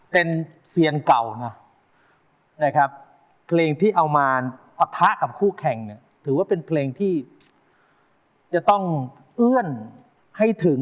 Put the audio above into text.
ที่เราเอามาปะทะกับคู่แข่งคือว่าเป็นเพลงที่จะต้องเอื้อมให้ถึง